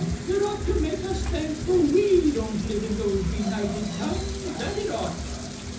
it ought to make us thankful we don't live in those benighted times, that it ought!